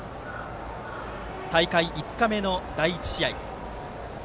大会５日目の第１試合。